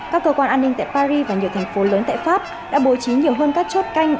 các cơ quan an ninh tại paris và nhiều thành phố lớn tại pháp đã bố trí nhiều hơn các chốt canh